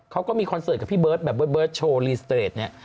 เขาก็มีคอนเซิร์ตกับพี่เปิ๊บแบบเบอร์ตโชว์ลีนสเตรส